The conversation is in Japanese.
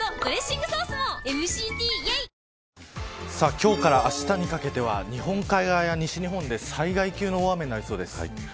今日からあしたにかけては日本海側や西日本で最大級の大雨になりそうです。